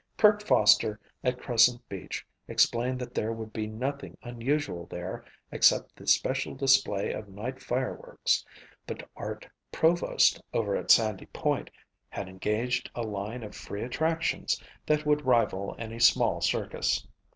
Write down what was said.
Kirk Foster at Crescent Beach explained that there would be nothing unusual there except the special display of night fireworks but Art Provost over at Sandy Point had engaged a line of free attractions that would rival any small circus.